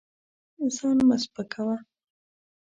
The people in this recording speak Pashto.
ځان مه سپکوه.